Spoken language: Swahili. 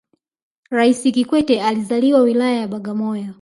raisi kikwete alizaliwa wilaya ya bagamoyo